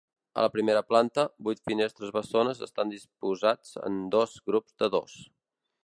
A la primera planta, vuit finestres bessones estan disposats en dos grups de dos.